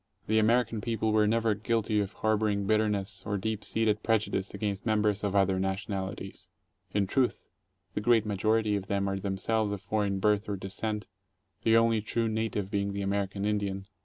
The American people were never guilty of harboring bitterness or. deep seated prejudice against members of other nationalities. In truth, the great majority of them are themselves of foreign birth or descent, the only true native being the American Indian.